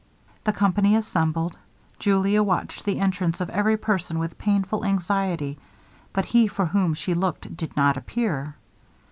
The company assembled Julia watched the entrance of every person with painful anxiety, but he for whom she looked did not appear.